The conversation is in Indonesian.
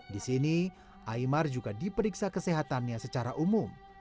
di sini imar juga diperiksa kesehatannya secara umum